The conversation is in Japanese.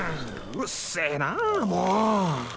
うるっせえなもう。